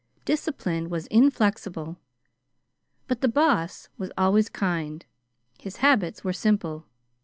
Discipline was inflexible, but the Boss was always kind. His habits were simple.